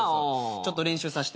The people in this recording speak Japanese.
ちょっと練習させて。